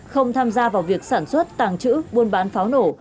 không tham gia vào việc sản xuất tàng trữ buôn bán pháo nổ